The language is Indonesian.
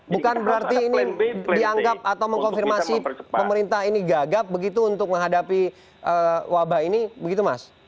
bukan berarti ini dianggap atau mengkonfirmasi pemerintah ini gagap begitu untuk menghadapi wabah ini begitu mas